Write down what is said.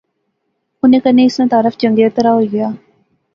انیں کنے اس ناں تعارف چنگیا طرح ہوئی گیا